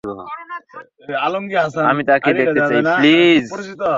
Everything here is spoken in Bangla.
আমি তাকে দেখতে চাই, প্লীজ।